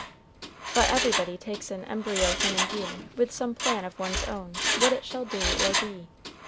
But everybody takes an embryo human being with some plan of one's own what it shall do or be.